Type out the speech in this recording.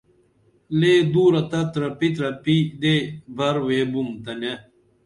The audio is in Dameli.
لے دُورہ تہ ترپی ترپی دیی بھر ویبُم تنے